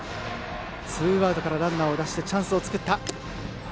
ツーアウトからランナーを出してチャンスを作った。